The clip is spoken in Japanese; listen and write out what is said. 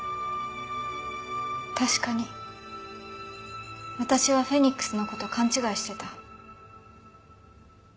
確かに私はフェニックスの事勘違いしてた。